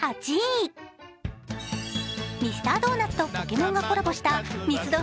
ミスタードーナツとポケモンがコラボしたミスド